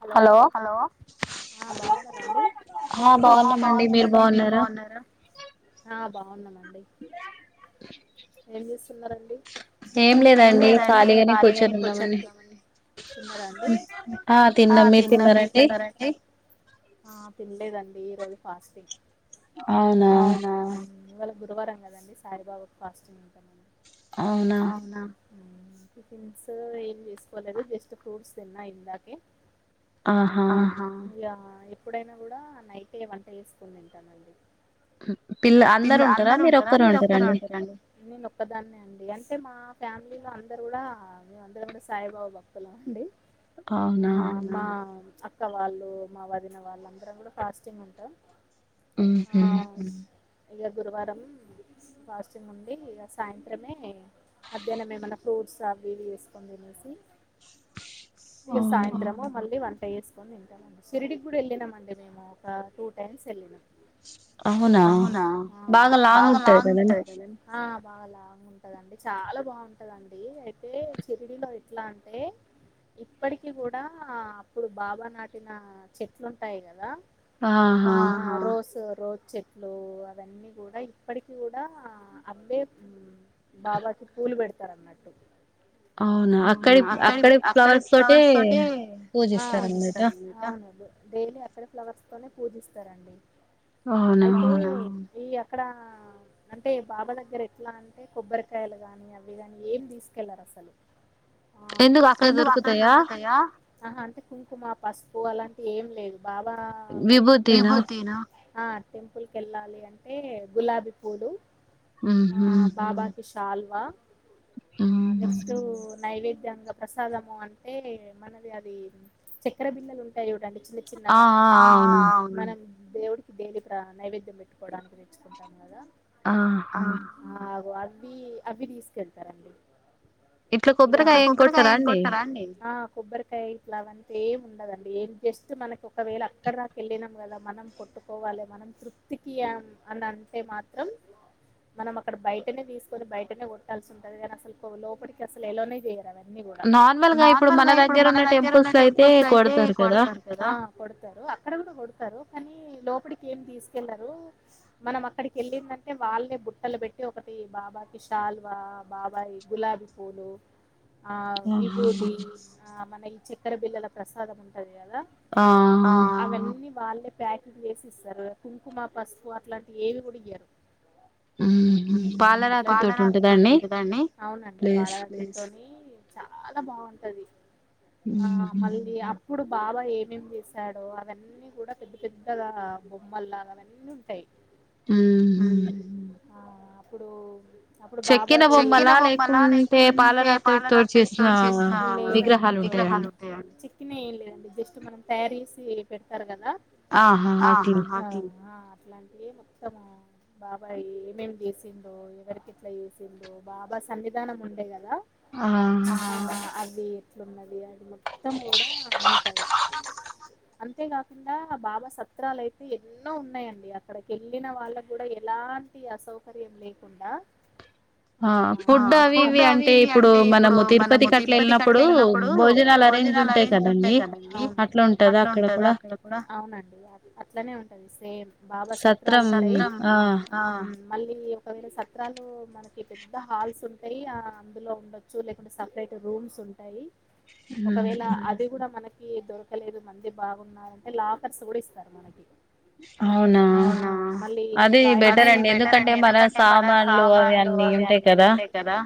Hello హ బాగున్నారా అండి? హ బాగున్నానండి. అడి ఏం చేస్తున్నారండి? ఏం లేదండి. ఖాళీగానే కూర్చొనున్నామండి. ఆ తిన్నాం. మీ తిన్నారా అండి? తినలేదండి. ఈ రోజు ఫాస్టింగ్. అవునా! ఇవ్వల గురువారం కదండి! సాయిబాబకు ఫాస్టింగ్ ఉంటామండి. అవునా! టిఫిన్స్ ఏం చేసుకోలేదు. జస్ట్ ఫ్రూట్స్ తిన్నా ఇందాకే. యా ఎప్పుడైనా కూడ నైటె వంట చేసుకొని తింటామండి. పిల్ల. అందరు ఉంటారా? మీరొక్కరే ఉంటారా అండి? నేను ఒక్కదాన్నే అండి. అంటే, మా ఫ్యామిలీలో అందరు కూడ, మేమ్ అందరు కూడ, సాయిబాబు భక్తులం అండి. ఉ మామ్ అక్క వాళ్ళు, మా వదిన వాళ్ళు, అందరం కూడా ఫాస్టింగ్ ఉంటాం. మ్ హు ఇగ గురువారం ఫాస్ టింగ్ ఉండి, ఇగ సాయంత్రమే, మధ్యాహ్నం ఏమన్నా ఫ్రూట్స్ అవి ఇవి వేసుకొని తినేసి, ఇగ సాయంత్రము మళ్లీ వన్ టెస వేసుకని షిరిడి కి కూడా వెళ్ళామండి మేము ఒక టూ టైమ్స్ వెళ్ళినాం అవునా బాగా లాంగ్ ఉంటది కద ఆ బాగా లాంగ్ ఉంటదండి చాలా బాగుంటదండి అయితే షిరిడిలో ఎట్లా అంటే ఇప్పటికి కూడా అప్పుడు బాబా నాటిన చెట్లుంటాయి కదా ఆ రోస్ రోజు చెట్లు అవన్నీ కూడా ఇప్పటికి కూడా ద అవ్వే బాబాకి పూలు పెడత తరంగట్టు అవునా అక్కడి అక్కడ ఫ్లవర్స్ తోటే పూజిస్తార డైలీ ఎక్కడ ఫ్లవర్స్ తోనే పూజిస్తారండి అవున క్కడ అంటే బాబా దగ్గర ఎట్లా అంటే కొబ్బరికాయలు గాని అవి కాని ఏం తీసుకెళ్లరు అసలు ఎందుకు అక్కడ దొరుకుతయా ఆహా అంటే కుంకుమ పసుపు అలాంటి ఏం లేదు బాబా విభూతి నా ఆ టెంపుల్ కి వెళ్ళాలి అంటే గులాబీ అవును ఉహు సాల్వ ఆ నఫ్ట్టు నైవేడ్ గంత ప్రసాదము అంటే మనది అది చకర బిల్లలు ఉంటాయి చూడండి చిన్న చిన్న గా దేవుడికి డైలీ ప్ర నైవేద్యం పెట్టుకోవడానికి తెచ్చుకుంటాం కదా ఆ ఓ అవి అవి తీసుకెళ్తారండి ఎక్క కొబ్బరికాయ ఎంగ్ కొతారా అండి కొబ్బరికాయ ఇట్ల అవన్నీ ఏం ఉండదండి ఏం జస్ట్ మనకి ఒకవేళ అక్కడ దక వెళ్ళినాం కదా మనం పట్టుకోవాలి మనం తృప్తికి అని అంటే మాత్ త్రం మనం అక్కడ బయటనే తీసుకొని బయటనే కొట్టాల్సి ఉంటంది కాని అసలు లోపలికి అసలు ఎలోనే చేయరా నార్మల్ గా ఇప్పుడు మన దగ్గర ఉన్న టెంపుల్స్ అయితే కొడతారు కదా కొడతారు అక్కడ కూడా కొడతారు కానీ లో ఇప్పటి ఏం తీసుకెళ్లరు మనం అక్కడికి వెళ్ళిందంటే వాళ్ళే బుట్టలు పెట్టి ఒకటి బాబాకి షాల్వా బాబాయి గులాబీ పూలు ఆ విభూతి ఆ మన చక్కెర బిల్ల ప్రసాదం ఉంటది ఆ వాళ్ళే ప్యాకింగ్ చేసి ఇస్తారు కుంకుమ పసుపు అట్లాంటి ఏవి కూడా. ఎరు పాలరాతి తోటి ఉంటుదండి అవునండి పాలరాతితోని. చాలా బాగుంటది ఆ మళ్ది ఇప్పుడు బాబా ఏమేం చేసాడో అవన్నీ కూడా పెద్ద పెద్దగా బొమ్మల అవన్నీ ఉంటాయి. ఆ హా అప్పుడు అప్పుడు బాబా చెక్కిన బొమలా లేకుంటే పాలరాతతో చేస్తు లేండి విగ్రహాలుా చెక్కినే ఏం లేదండి జస్ట్ మనం తయారు చేసి. పెడారు కదా ఆహా అట్లే ఆ అట్లాంటివి మొత్తము బాబా ఏమేమి చేసిందో ఎగడికిట్లా చేసిందో బాబా సన్నిధానం ఉండే కదా. అ ఎట్లున్నది అది మొత్తం కూడా ఉంటాంది అంతేకాకుండా బాబా సత్రాలు అయితే ఎన్నో ఉన్నాయండి అక్కడికి వెళ్ళిన వాళ్ళకి. కూడా ఎలాంటి అసౌకర్యం లేకుండా ఆ ఫుడ్ అవి ఇవి అంటే ఇప్పుడు మనము తిరుపతి క అట్ల వెళ్ళినప్పుడు భోజనాలు అరేంజ్ ఉంటాయి కదండి అట్లా ఉంటది అక్కడ కూడా అవునండి అట్లనే ఉంటది సేమ్ బాబా సత్రాల స ఆ మళ్ళీ ఒకవేళ సత్రాలు మనకి పెద్ద హాల్స్ ఉంటాయి ఆ అందులో ఉండొచ్చు లేకుంటే సపరేట్ రూమ్స్ ఉంటాయి. ఒకవేళ అది కూడా మనకి దొరకలేదు మంది బాగున్న అంటే లాకర్స్ కూడా ఇస్తారు మనకి అవునా అది అది బెటర్ అండి ఎందుకంటే మన సామాన్లు అవి అన్నీ ఉంటాయి కదా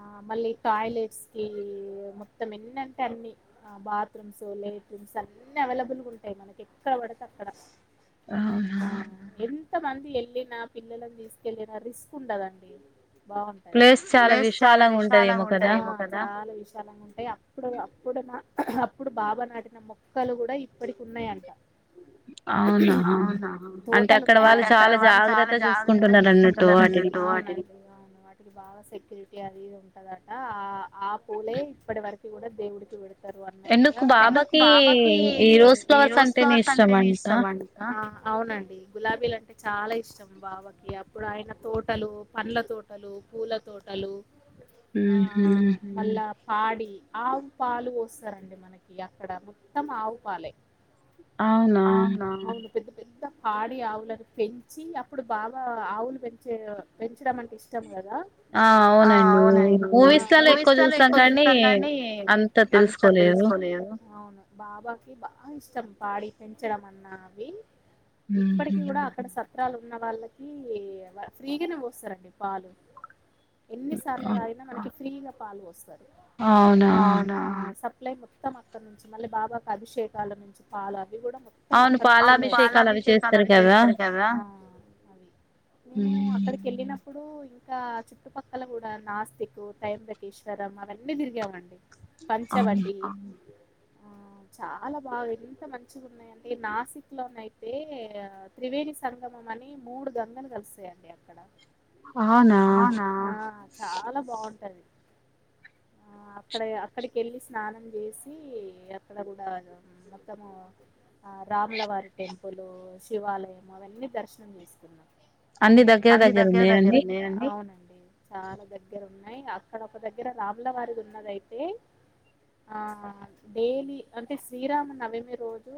ఆ మళ్ళీ టాయిలెట్స్ కి మొత్తం ఎన్నింటే అన్ని ఆ బాత్రూమ్స్ లేట్రూమ్స్ అన్ని అవైలబుల్ గా ఉంటాయి మనకి ఎక్కడ పడితే అక్కడ. అవునా ఎంత మంది వెళ్ళిన పిల్లని తీసుకెళ్ళిన రిస్క్ ఉండదండి. బాగుంటాది ప్లేస్ చాలా విశాలంగా ఉంటది ఏ కా చాలా విశాలంగా ఉంటాయి అప్పుడు అప్పుడు నా. అప్పుడు బాబా నాటిన మొక్కలు కూడా ఇప్పటికి ఉన్నాయంట. అవునా అంటే అంటే అక్కడ వాళ్ళు చాలా జాగ్రత్త చూసుకుంటున్నారు అన్నట్టు వాటికి వాటికి బాగా సెక్యూరిటీ. అదిది ఉంటదంట ఆ ఆ పూలే ఇప్పటి వరకు కూడా దేవుడికి విడ. తారు అన్నట్టుగా బాబాకి ఈ రోజ్ ఫ్లవర్స్ అంటేనే ఇష్టం అనక అవునండి. గులాబీలు అంటే చాలా ఇష్టం బావకి, అప్పుడు ఆయన తోటలు, పండ్ల తోటలు, పూల తోటలు ఆ మళ్ళ పాడి ఆవు పాలు ఓస్తరండి, మనకి అక్కడ మొత్తం ఆవుపాలే. అవునా హార్డ్ డి ఆవులను పెంచి అప్పుడు బాబ ఆవులు పెంచే అంటే ఇష్టం కదా, అవున బాబాకి బాగా ఇష్టం పాడి పెంచడం అన్న అవి ఇప్పటికి కూడా అక్కడ సత్ త్రలు ఉన్న వాళ్ళకి ఫ్రీగానే పోస్తరండి పాలు. ఎన్ని సార్లుదాగిన ఫ్రీ గ పాలు పోస్తరు అవునా సప్ అట్ల మొత్తం అక్కడ నుంచి మళ్ళీ బాబాకు అభిషేకాల నుంచి పాల ను అవును పాలాభిషేకాలు అవి చేస్ అవి చేస్తారు కదా హ్మ్ ఇప్పుడు ఇంకా చుట్టుపక్కల కూడా నాస్తికు, తైబ్రకేశ్వరం అవన్నీ తిరిగామండి. పంచవటిి ఆ చాలా బాగా ఎంత మంచిగా ఉన్నాయంటే నాసిక్ లోనైతే తే ఆ త్రివేణి సంగమం అని మూడు గంగలు కలిస్తయండి అక్కడ. ఆ చాలా బాగుంటది. ఆ అక్కడ అక్కడికెళ్ళి స్నానం చేసి, అక్కడ కూడా మొత్తము ఆ రాములవారి టెం పులు శివాలయం అవన్నీ దర్శనం చేసుకున్నం. అవును చాలా దగ్గర ఉన్నాయి, అక్కడ ఒక దగ్గర రాముల వారిది ఉన్నదయితే, ఆ డైలీ అంటే శ్రీరామ నవమి రోజు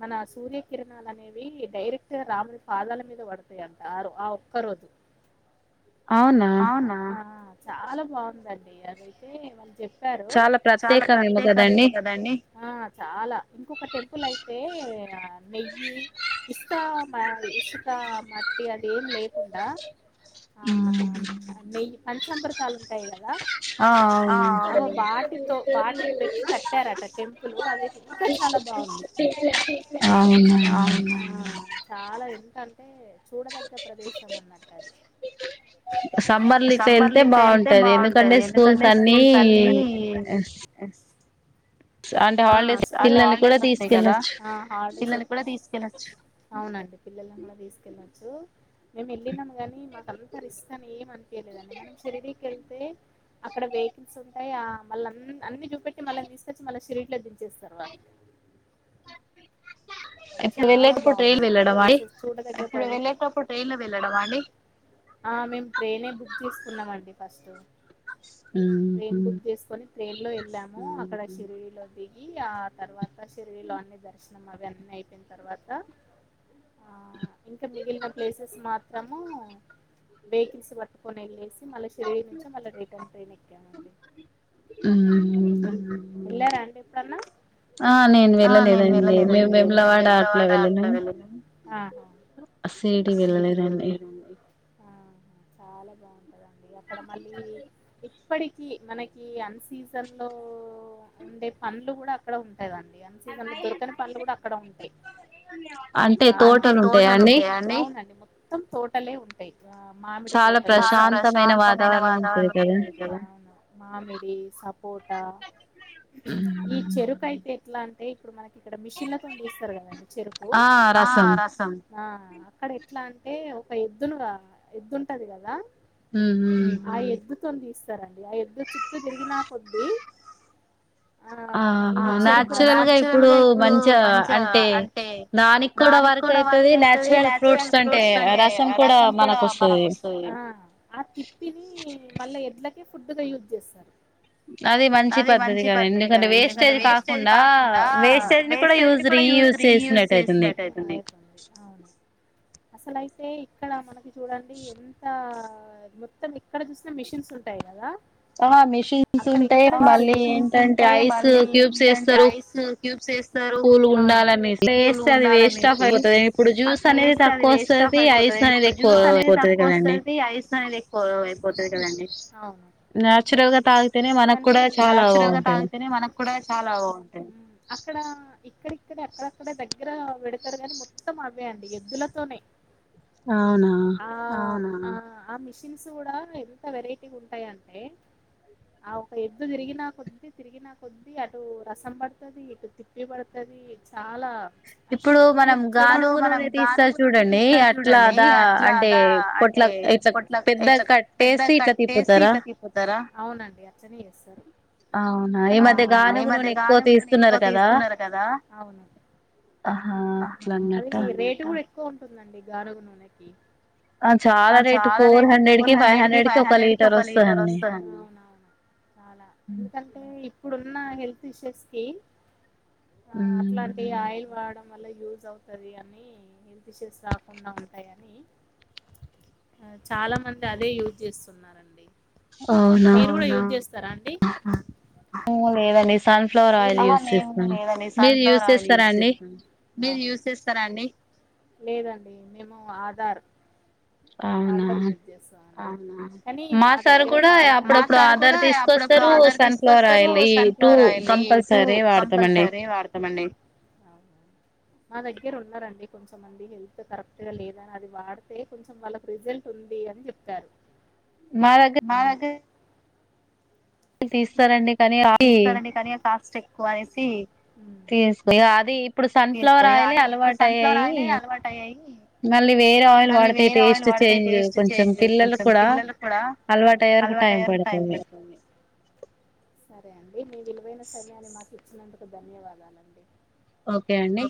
మన సూర్యకిరణాలు అనేవి డైరెక్ట్గా రాముడి పాదాల మీద పడతయంట, ఆరు ఆ ఒక్క రోజు ఆ చాలా బాగుందండి అదైతే వాళ్ చెప్ చెప్పారు, ఆ చాలా ఇంకొక టెంపుల్ అయితే ఆ నెయ్యి ఇసుక మ, ఇసుక మట్టి అదేం లేకుండా ఆ నెయ్యి అంటే సంప్రతాలు ఉంటయి కదా. బాటితో బాటిని పెట్టి కట్టారట టెంపులు, అదైతే ఇంకా చాలా బాగుంది. అవునా టే చూడదగ్గ ప్రదేశం ఉన్నట్టది అంటే హాలిడేస్ పిల్లల్ని కూడా తీసుకెళ్ళొచ్చు పీళ్ళని కూడ తీసుకెళ్ళొచు అవునండి పిల్లలను కూడా తీసుకెళ్ళొచ్చు మేము వెళ్ళినం కాని మాకంత రిస్క్ అని ఏం అనిపియలేదండి. మనం శిరిడికెళ్తే అక్కడ వేకన్స్ అయ మళ్ళ ఆన్ అన్ని చూపెట్టి మళ్ళని తీసుకొచ్చి మళ్ళ శిరిడ్లో దించేస్తరు వాళ్ళు ఆ చాలా బాగున్నాయి ప్లేసెస్ చూడ దగ్గ ఆ మేము ట్రైనే బుక్ చేసుకున్నామండి ఫస్ట్ ట్రైన్ బుక్ చేసుకొని ట్రైన్ లో ఎళ్ళాము అక్కడ సిరిడీలో దిగి ఆ తర్వా ప సిరిడీలో అన్ని దర్శ్ నం అవన్ని అయి పొయిన తర్వాత ఆ ఇంక మిగిల్న ప్లేసెస్ మాత్రం ము వేకన్సీ పట్టుకొని వెళ్ళేస్ మళ్ళ సిరిడి నుంచి మళ్ళ రిటన్ ట్రైన్ ఎక్కామండి వెళ్ళరా అండి ఎప్పుడన్న? ఆ నేను వెళ్ళలేదండి మేం మేము లా ఆహా ఆ చాలా బాగు కదండి అక్కడ మళ్ళీ ఇప్పడికి మనకి అన్ సీజన్ లో ఉండే పండ్లు కూడ అక్కడ ఉ లేదండి అని సీజన్ లో దొరకని పండ్లు కూడ అక్కడ ఉ అంటే తోటలు ఉంటాయా అండి? దాని మొత్తం తోటలే ఉంటయి. ఆ మామిడి తోటలు స ఆ మామిడి స కోట ఈ చెరుకైతే ఎట్లా అంటే ఇప్పుడు మనక్ ఇక్కడ మిషన్లతో లెస్ తరు కదండి చెరుకు ఆ రసం ఆ అక్కడ ఎట్లా అంటే ఒక ఎద్దునుగా ఎద్దుంటది కదా. ఉహు అ ఎద్దు త్తోన్ తీస్తారండి ఆ ఎద్దు చుట్టూ జరిగినా కొద్దీ ఆ మ నాచురల్ గా ఇప్పుడు మంచ చా అంటే దానికి కూడా వర్క్ అయితది. నేచురల్ ఫ్రూట్స్ అంటే రసం కూడా మనకు వస్తది ఆ ఆ తిప్పిని మళ్ళ ఎట్లా కి ఫుడ్దా యూజ్ చేస్తార అది మంచి పద్దతి కదండి. ఎందుకంటే వేస్టేజ్ కాకుండా వేస్టేజ్ ని కూడా useful use reuse చేసినటయితుంది అవును అసలయితే ఇక్కడ మనకి చూడండి ఎంత ఆ మొత్తం ఇక్కడ చూసిన మిషిన్స్ ఉంటాయి కదా. ఆ మెషిన్స్ ఉంటాయి మళ్ళీ ఏంటంటే ఐస్ క్యూబ్స్ వేస్తారు. క్యూబ్స్ ఎస్ అవును పూలు ఉండాలనేసి అట్లా వేస్తే అది వేస్ట్ ఆఫ్ అయిపోతది. ఇప్పుడు జ్యూస్ అనేది తక్కువ వస్తది. ఐస్ అనేది ఎక్కువ అయిపోతది కదండి. అవును కానీ నాచురల్ గా తాగితేనే మనకు కూడా చాలా బావుంటది అక్కడ ఇక్కడ ఇక్కడ అక్కడక్కడ దగ్ ఇర వెడతరుగాని మొత్తం అ ఇవే అండి ఎద్దులతోనే అవునా ఆ ఆ మిషిన్స్ కూడా ఎంత వెరైటీ ఉంటాయంటే ఆ ఒక ఎద్దు తిరిగినా కొద్ది, తిరిగిన కొద్దీ అటు రసం పడుతది ఇటు తిప్పి పడుతు గది చాలా అ చూ చూడడు మనం గానములోనే తీస్తా చూడండి. ఆ అట్లా అదా అంటే కొట్లా ఇట్లా పెద్ద కట్టేసి ఇట్లా తీపోతారా అవునండి అట్లనే ఏసారు. అవునా ఈ మధ్య గానుగునూనె ఎక్కువ తీస్తున్నారు కదా. కదా అవును అహ అది రేటు కూడా ఎక్కు ఎక్కువ ఉంటుందండి గానుగు నూనెకి ఆ చాలా రేటు ఫోర్ హండ్రెడ్ కి, ఫైవ్ హండ్రెడ్ కి ఒక లీటర్ వస్తది అండి అవునా చాలా ఎందుకంటే ఇప్పుడు ఉ ఉన్నా హెల్త్ ఇష్యూస్ కి ఆ అట్లాంటి ఆయిల్ వాడం వల్ల యూజ్ అవుతాదని హెల్త్ ఇషూస్ రాకుండా ఉంటాయని చాలా మంది అదే యూజ్ చేస్తున్నారండి. మీరు కూడా యూజ్ చేస్తారా అండి. సన్ఫ్లవర్ ఆయిల్ యూస్ చేస్తాను. మీరు యూస్ చేస్తారా అండి. మీరు యూస్ చేస్తారా అండి లేదండి మేము ఆధార్ ఆదార్ వ్యత్యాస అవునా కానీ మా దగ్గర చాలా మా సార్ కూడా అప్పుడప్పుడు ఆధార్ తీసుకొస్తారు. సన్ఫ్లవర్ ఆయిల్ ఈ టూ కంపల్సరీ వాడతామండి. అవునా మా దగ్గర ఉన్నారండి. కొంచెమంది హెల్త్ కరెక్ట్ గా లేదని అది వాడితే కొంచెం వాళ్ళ రిజల్ట్ ఉంది అని చెప్తారు. మాగే తీస్తారండి కానీ కాస్ట్ ఎక్కువ అనేసి తీసుకు అది ఇప్పుడు సన్ఫ్లవర్ ఆయిలే అలవాటు అయ్యాయి మళ్ళీ మళ్ళీ వేరే ఆయిల్ వాడితే టేస్ట్ చేంజ్ కొంచెం పిల్లలకు కూడా అలవాటుయే వరకు టై పడుతుంది. సరే అండి మీ విలువయిన సమయాన్ని మాక్ ఇచ్చినందుకు ధన్యవాదాలండి ఓకే అండి